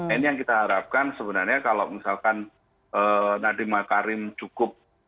ini yang kita harapkan sebenarnya kalau misalkan nadiem makarim cukup